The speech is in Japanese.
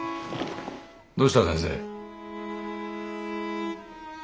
どうした先生。